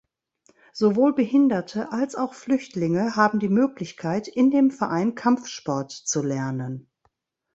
Sowohl Behinderte als auch Flüchtlinge haben die Möglichkeit, in dem Verein Kampfsport zu lernen.